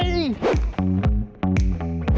พระเจ้า